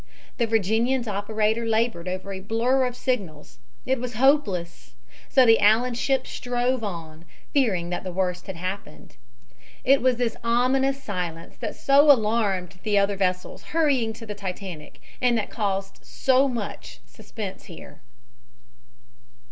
The Virginian's operator labored over a blur of signals. It was hopeless. So the Allan ship strove on, fearing that the worst had happened. It was this ominous silence that so alarmed the other vessels hurrying to the Titanic and that caused so much suspense here.